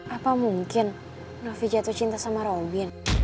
apa mungkin novi jatuh cinta sama robin